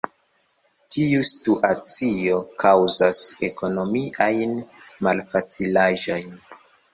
Tiu situacio kaŭzas ekonomiajn malfacilaĵojn.